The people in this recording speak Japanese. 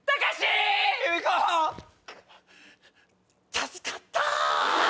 助かった！